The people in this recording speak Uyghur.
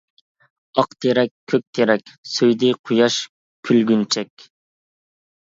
ئاق تېرەك-كۆك تېرەك، سۆيدى قۇياش كۈلگۈنچەك.